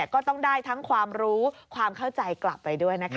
ก็ต้องได้ทั้งความรู้ความเข้าใจกลับไปด้วยนะคะ